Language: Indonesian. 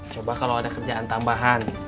coba kalau ada kerjaan tambahan